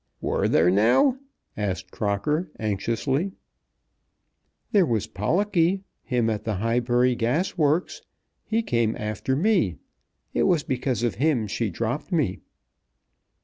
"Were there now?" asked Crocker anxiously. "There was Pollocky; him at the Highbury Gas Works. He came after me. It was because of him she dropped me."